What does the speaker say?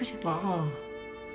ああ。